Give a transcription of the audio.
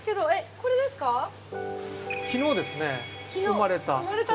昨日ですね生まれた。